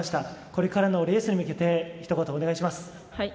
これからのレースに向けて一言お願いします。